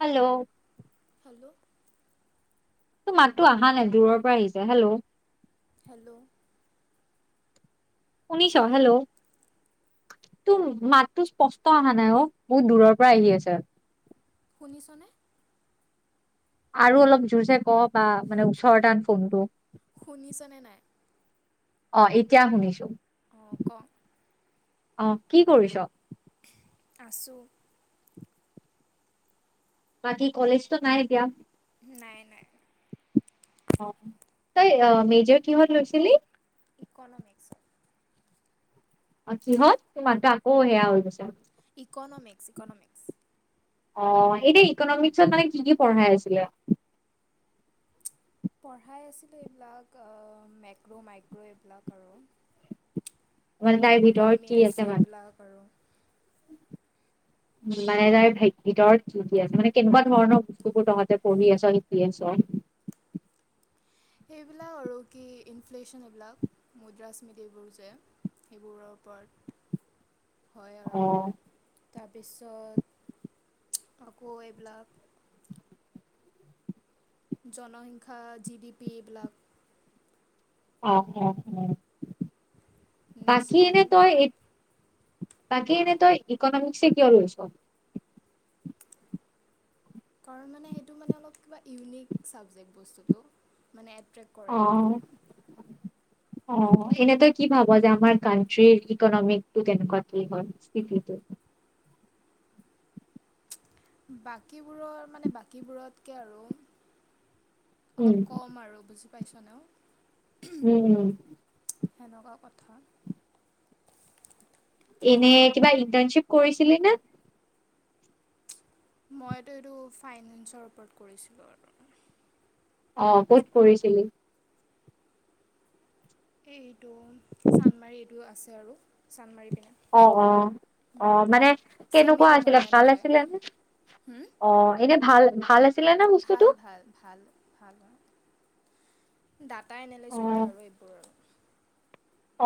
Hello hello তো মাতটো অহা নাই দূৰৰ পৰা আহিছে হেল্ল' হেল্ল' শুনিছ হেল্ল তোৰ মাতো স্পষ্ট অহা নাই অ বহুত দূৰৰ পৰা আহি আছে। শুনিছ নে। আৰু অলপ জোৰচে কব পা মানে ওচৰ আন ফোনটো। শুনিছনে নাই। অহ এতিয়া শুনিছোঁ। অহ ক। অহ কি কৰিছ। আছোঁ। বাকী কলেজটো নাই এতিয়া। নাই নাই। অহ তই অহ মেজৰ কিহত লৈছিলি। ইকনমিক্স। অহ কিহত তোমাৰ মাতটো আকৌ সেয়া হৈ গৈছে। Economics economics. অহ এনেই ইকনমিক্সত মানে কি কি পঢ়াই আছিলে। পঢ়াই আছিলে এইবিলাক অহ মেক্ৰ' মাইক্ৰ' এইবিলাক আৰু। মানে তাইৰ ইণ্ডিয়ান ভিতৰত ইকনমি কি আছে এইবিলাক আৰু। উম মানে তাইৰ ভি ভিতৰত কি কি আছে মানে কেনেকুৱা ধৰণৰ বস্তুবোৰ তহঁতে পঢ়ি আছ শিকি আছ। [inaudible] সেইবিলাক আৰু কি ইনফ্লেশ্যন এইবিলাক মুদ্ৰা স্মৃতিবোৰ যে। সেইবোৰৰ ওপৰত। হয় আৰু অহ তাৰপিছত আকৌ এইবিলাক, জনসংখ্যা জি ডি পি এইবিলাক, অ-অ বাকী এনে নেশ্যনেল তই তাকে এনে তই ইকনমিক্সে কিয় লৈচ। কাৰণ মানে সেইটো মানে অলপ কিবা ইউনিক চাবজেক্ট বস্তুটো মানে। ট্ৰেক অ কৰে আৰু। অ' সেইনে তই কি ভাব যে আমাৰ কানট্ৰিৰ ইকনমিকটো কেনেকুৱা কি হয় স্ত্ৰীকলি, ত বাকীবোৰৰ মানে বাকীবোৰতকে আৰু উম অলপ কম আৰু বুজি পাইছ ন। উম, সেনেকুৱা কথা। এনে কিবা ইণ্টাৰ্ণশ্বিপ কৰিছিলি নে। মইতো এইটো ফাইনেন্সৰ ওপৰত কৰিছিলোঁ আৰু। অ' ক'ত কৰিছিলি? এইটো চান্দমাৰী এইটো আছে আৰু চান্দমাৰিত। অ-অ-অ, মানে ছেমি কেনেকুৱা আছিলে গভৰ্ণমেণ্ট ভাল হয় আছিলে নে? অ' এনে ভাল। ভাল আছিলে নে বস্তুটো? ভাল-ভাল-ভাল-ভাল হয়। ডাটা এনালিচ কৰা আৰু এইবোৰ আৰু।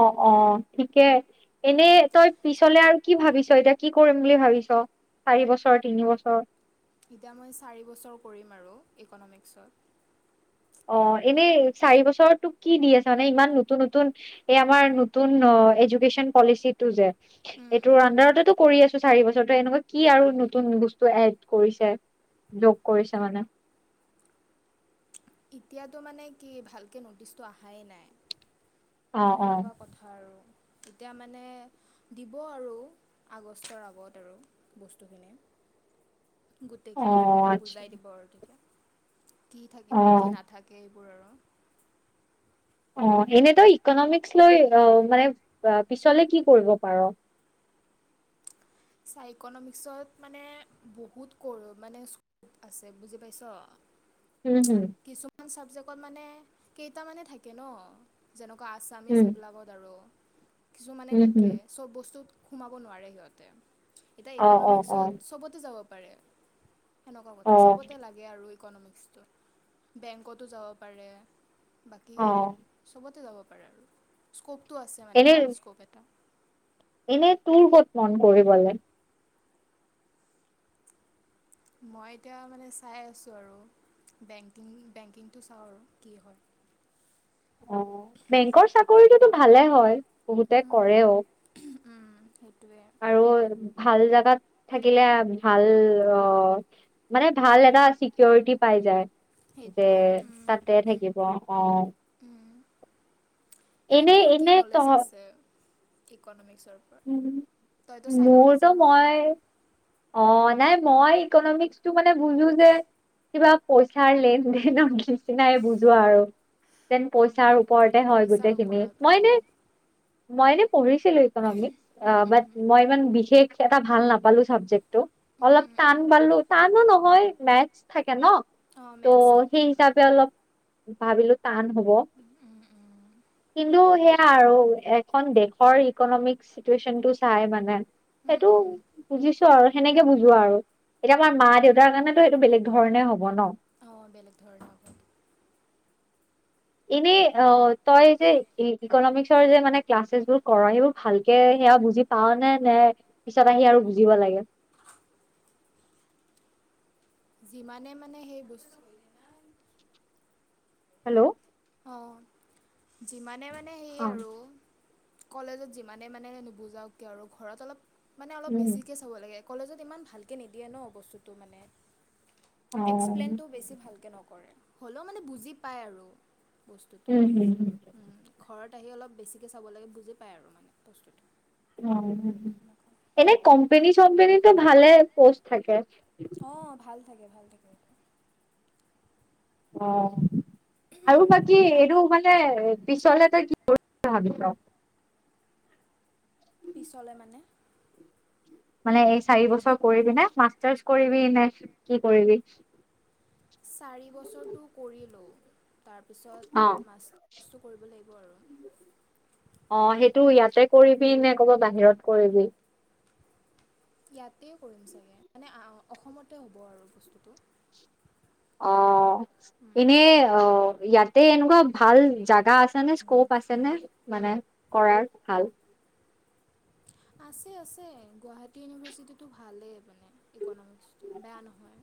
অ-অ ঠিকে এনেই তই পিছলে আৰু কি ভাবিছ এতিয়া। কি কৰিম বুলি ভাবিছ চাৰি বছৰ, তিনি বছৰ, এতিয়া মই চাৰি বছৰ কৰিম আৰু ইকনমিক্সত। অ' এনেই চাৰি বছৰ তোক কি দি আছা মানে ইমান নতুন-নতুন এ আমাৰ নতুন, অ' এদুকেটিন পলিচীটো যে সেইটো উণ্ডাৰতে কৰি আছোঁ। চাৰি বছৰ ত এনেকুৱা কি আৰু নতুন বস্তু এড কৰিছে। যোগ কৰিছে মানে। এতিয়াতো মানে কি ভালকে নটিচটো আহাই নাই। অ তো অ সেনেকুৱা কথা আৰু, এতিয়া মানে দিব আৰু আগষ্টৰ আগত আৰু বস্তুখিনি। [inaudible] অ গোটেইখিনি আৰু আচ্ছা বুজাই দিব আৰু তেতিয়া। কি অ থাকিব, কি নাথাকে এইবোৰ আৰু। অ' এনে তই ইকনমিক্স লৈ অ মানে পিছলে কি কৰিব পাৰ? চা ইকনমিকসত মানে বহুত ক মানে আছে বুজি পাইছ। উম হম কিছুমান চাবজেক্টত মানে কেইটামানে থাকে ন। যেনেকুৱা আছামিছ উম এইবিলাকত আৰু। কিছুমানে উম হম থাকে চব বস্তু সোমাব নোৱাৰে সিহঁতে, এতিয়া অ অ অ ইকনমিক্সত সবতে যাব পাৰে সেনেকুৱা অ কথা চবতে লাগে আৰু ইকনমিক্সটো বেংকতো যাব পাৰে বাকী অ চবতে যাব প ৰে স্কপ আছে মানে ভাল স্কপ এটা। এনেই কোন কত কাম কৰে মানে মই এতিয়া মানে চাই আছো আৰু। বেংকিং-বেংকিংটো চাওঁ আৰু কি হয়। [unintelligible] অ' বেংকৰ চাকৰিটোতো ভালে হয় বহুতে কৰে আৰু। সেইটোৱে আৰু ভাল জাগাত থাকিলে ভাল অ মানে ভাল এটা চিকিৰিটি পাই যায় যে সেইটোৱে তাতে থাকিব অ এনে তোৰ কি নলেজ আছে ইকনমিক্স উম মোৰটো হয় মই অ নাই মই ইকনমিক্স টো মানে বুজো যে কিবা পইচাৰ লেন দেনৰ নিচিনাই বুজো আৰু যেন পইচাৰ ওপৰতে হয় পইচাৰ গোতেখিনি ওপৰত মই অঁ এনে মই এনে পঢ়িছিলো অ উম বাত উম মই ইমান বিশেষ এটা ভাল নাপালো চাবজেক্ট উম অলপ উম টান উম বালো টানো নহয় মেশথ থাক ন অঁ ত' মেথছ সেই থাকে হিচাপে অলপ ভাবিলো তান হ'ব কিন্তু সেয়া আৰু এখন দেশৰ ইকনমিক চিতিৱেচন টো চায় মানে উম সেইটো উম বুজিছো [unintelligible] আৰু সেনেকে বুজোৱা আৰু এতিয়া আমাৰ মা দেউতাৰ কাৰণেতো সেইটো বেলেগ ধৰণে হব ন [inaudible] এনেই অ তই যে ইকনমিক্সৰ যে মানে ক্লাছেছ বোৰ কৰ সেইবোৰ ভালকে সেয়া বুজি পাও নে নে পিছত আহি আৰু বুজিব লাগে [unintelligible] যিমানে মানে সেই বস্তু হেল্ল' অ যিমানে মানে সেই অ আৰু কলেজত যিমানে মানে নুবুজাও কিয় আৰু ঘৰত অলপ মানে অলপ উম বেছিকে চাব লাগে কলেজত ইমান ভালকৈ নিদিয়ে ন বস্তুটো মানে অ এক্সপ্লেইনতো বেছি ভালকে নকৰে হ'লেও মানে বুজি পায় আৰু বস্তুটো উম ঘৰত আহি অলপ বেছিকে চাব লাগে বুজি পায় আৰু উম বস্তুটো ক এনে কোম্পানী চম্পানী তো ভালে পোষ্ট থাকে অ ভাল থাকে ভাল থাকে অ আৰু বাকী এইটো মানে পিছে পিছলে তই কি কৰিম বুলি ভাবিছ পিছলৈ মানে মানে এই চাৰি বছৰ কৰিবি নে মাষ্টাৰ্চ কৰিবি নে কি কৰিবি চাৰি বছৰটো কৰিলোঁ অ তাৰপিছত মাষ্টাৰছটো কৰিব লাগিব আৰু অ সেইটো ইয়াতে কৰিবি নে ক'বা বাহিৰত কৰিবি ইয়াতে কৰিম চাগে মানে অসমতে হ'ব আৰু বস্তুটো অ এনে অ ইয়াত তে এনেকুৱা ভাল জোগা আছে নে স্কপ আছে নে মানে কৰাৰ ভাল আছে আছে গুৱাহাটী ইউনিভাৰ্চিটিটো ভালেই মানে ইকনমিক্সটো বেয়া নহয়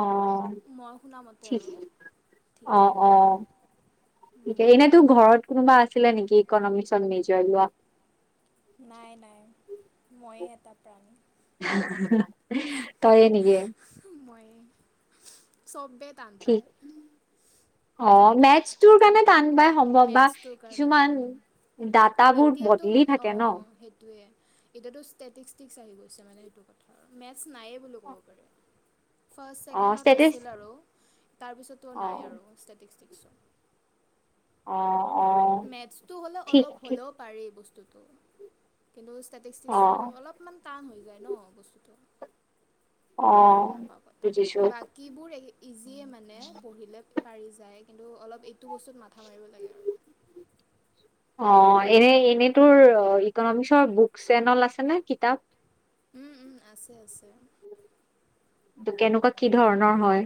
আহ মই শুনামতে ঠিক আৰু অ ঠিকে অ এনেতো ঘৰত কোনোবা আছিলে নেকি ইকনমিক্সত মেজৰ লোৱা নাই নাই ময়ে এটা প্ৰাণী তয়ে নেকি মইয়ে চবে টান ঠিক পায় অ মেথছটোৰ কাৰণে টান বাই সম্ভৱ বা মেথছটোৰ কিছুমান কাৰণে ডাটাবোৰ এতিয়াতো বদলি মানে অ থাকে ন সেইটোৱে এতিয়াতো ষ্টেটষ্টিক আহি গৈছে মানে সেইটো কথা মেথছ নাইে বুলি কব পাৰি ফাৰ্ষ্ট অ ছেকেনত ষ্টেটাছ আছিল আৰু তাৰ পিছতো অ নাই আৰু [unintelligible] অ অ মেথছটো হ'লে ঠিক অলপ ঠিক হ'লেও পাৰি বস্তুটো কিন্তু অ ষ্টেটষ্টিকটো অলপমান টান হৈ যায় ন বস্তুটো। অ সেনকা কথা বুজিছো বাকীবোৰ ইজিয়ে মানে পঢ়িলে পাৰি যায়। কিন্তু অলপ এইটো বস্তুত মাথা মাৰিব লাগে আৰু। অহ এনেই এনেই তোৰ ইকনমিক্সৰ বুকছ চেনল আছে নে কিতাপ। উম উম আছে আছে। কেনেকুৱা কি ধৰণৰ হয়?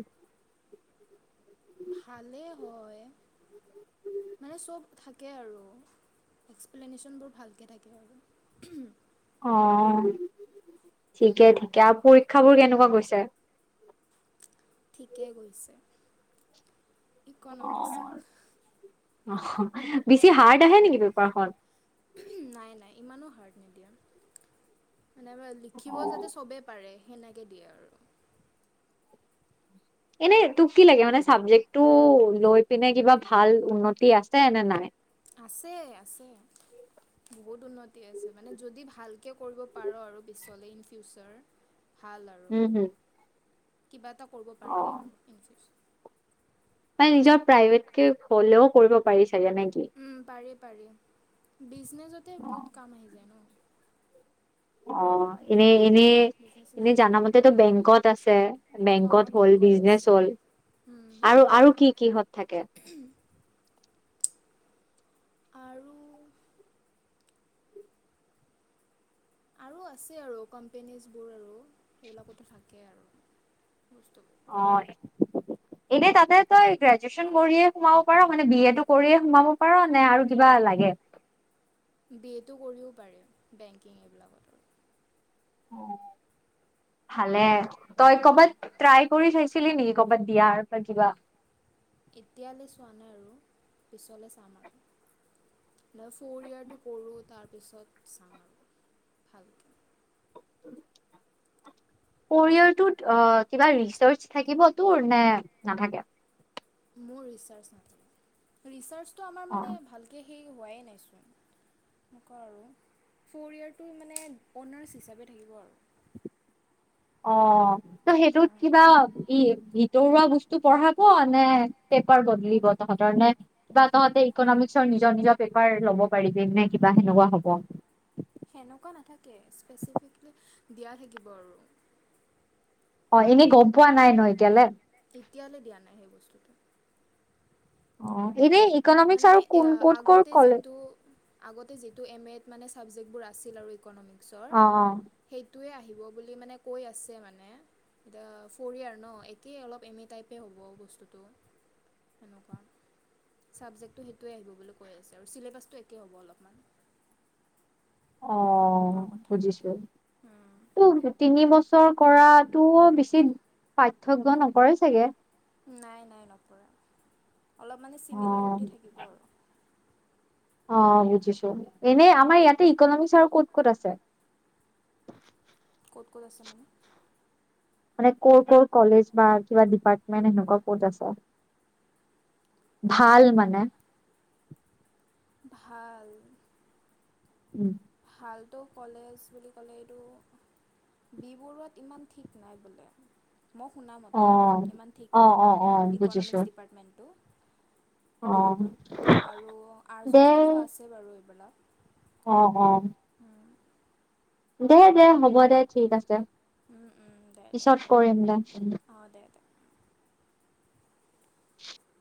ভালে। [inaudible] মানে চব থাকে আৰু। এক্সপ্লেনেশ্যনবোৰ ভালকে থাকে আৰু। অ', ঠিকে, ঠিকে আৰু পৰীক্ষাবোৰ কেনেকুৱা গৈছে? ঠিকেই গৈছে, অ ইকনমিক্সত। অ', বেছি হাৰ্ড আহে নেকি পেপাৰখন? নাই, নাই, ইমানো হাৰ্ড নিদিয়া। নাই মানে লিখিবও যাতে চবেই পাৰে সেনেকে দিয়ে আৰু। এনেই তোক কি লাগে মানে চাবজেক্টটো লৈ পিনে কিবা ভাল উন্নতি আছে নে নাই? আছে, আছে। বহুত উন্নতি আছে মানে যদি ভালকে কৰিব পাৰ' আৰু পিছলৈ ইন ফিউচাৰ। ভাল আৰু উম হুম কিবা এটা কৰিব অ পাৰিবি আৰু ইন ফিউচাৰ। মানে নিজৰ প্ৰাইভেট কে হ'লেও কৰিব পাৰিছ উম, পাৰি, পাৰি বিজনেচতে অ বহুত কাম আহি যায় ন'। অ', এইবিলাক এনে এনেই বিজনেছ এনেই চিজনেছো জানা কৰিব মতেটো পাৰোঁ বেংকত আছে, বেংকত অঁ হ'ল, বেংকত বিজনেচ হ'ল। আছে আৰু আৰু কি কিহত থাকে? আৰু আৰু আছে আৰু কোম্পেনীজবোৰ আৰু সেইবিলাকতো থাকে আৰু বস্তু অ'। এনে তাতে তই গ্ৰেজুৱেচন কৰিয়ে সোমাব পাৰ' মানে বি এটো কৰিয়ে সোমাব পাৰ নে আৰু কিবা ভাল লাগে। বি এটো কৰিও পাৰে বেংকিং এইবিলাকত। ভালে তই আৰু কৰবাত ট্ৰাই কৰি চাইছ। ছিলি নেকি কৰ'ৰবাত দিয়াৰ পৰা কিবা। এতিয়ালৈ চোৱা নাই আৰু পিছলৈ চাম আৰু। ন ফ'ৰ ইয়েৰটো কৰোঁ তাৰপিছত চাম আৰু ভালকৈ। [unintelligible] পৰিয়ৰটোত অ কিবা ৰিচাৰ্চ থাকিবতোৰ নে নাথাকে। [inaudible] ঠিক হোৱাই নাইচোন। অ মকা আৰু ফ'ৰ ইয়েৰটো মানে অনাৰ্ছ হিচাপে থাকিব আৰু। অ ত সেইটোত কিবা? ই ভিতৰুৱা বস্তু পঢ়াব নে পেপাৰ বদলিব তহঁতৰ নে কিবা তহঁতে। ইকনমিক্সৰ নিজৰ নিজৰ পেপাৰ ল'ব পাৰিবি নে কিবা সেনেকুৱা হ'ব। সেনেকুৱা নাথাকে স্পেচিফিকেলি দিয়া থাকিব আৰু। অ এনেই গম পোৱা নাই ন এতিয়ালৈ। এতিয়ালৈ দিয়া নাই সেই বস্তুটো। অ এনে ইকনমিক্স মানে আৰু কোন ক'ত ক'ত আগতে কলে। যিটো আগতে যিটো এম এড মানে ছাবজেক্টবোৰ আছিল আৰু ইকনমিক্সৰ অ অ সেই। টোৱে আহিব বুলি মানে কৈ আছে মানে। এতিয়া ফৰি ইয়াৰ ন একেই অলপ এম এ টাইপে হ'ব বস্তুটো। তেনেকুৱা। ছাবজেক্টটো সেইটোৱে আহিব বুলি কৈ আছে আৰু চিলেবাছটো একেই হ'ব অলপমান অ সেনেকুৱা কথা বুজিছো ত তিনি বছৰ চৰ কৰাতটো বেছি পাৰ্থক্য নকৰে চাগে নাই নাই নকৰা অলপ মানে অ চিমিলাৰিটি থাকিব আৰু অ বুজিছো এনেই আমাৰ ইয়াতে ইকনমিক আৰু ক'ত ক'ত আছে [inaudible] ক'ত ক'ত আছে মানে মানে ক'ৰ ক'ৰ কলেজ বা কিবা ডিপাৰ্টমেন্ট সেনেকুৱা ক'ত আছে ভাল মানে ভাল উম ভালটো কলেজ বুলি ক'লে এইটো বি বৰুৱাত ইমান ঠিক নাই বোলে মই অ শুনামতে ইমান ঠিক অ নাই অ বি অ বৰুৱাত বুজিছো ইকনমিক্স ডিপাৰ্টমেণ্টটো অ এনেকুৱা আৰু আৰ্য দে চাৰ্জ আছে বাৰু এইবিলাক অ অ দে দে হ'ব দে ঠিক আছে উম উম দে দে পিছত হ'ব দে কৰিম অঁ দে দে [inaudible]